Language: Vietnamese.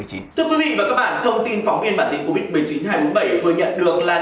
thưa quý vị và các bạn thông tin phóng viên bản tin covid một mươi chín hai nghìn bốn mươi bảy vừa nhận được là